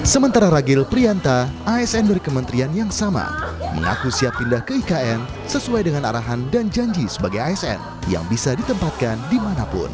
sementara ragil prianta asn dari kementerian yang sama mengaku siap pindah ke ikn sesuai dengan arahan dan janji sebagai asn yang bisa ditempatkan dimanapun